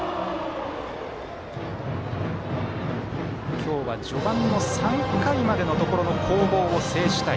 今日は序盤の３回までのところの攻防を制したい。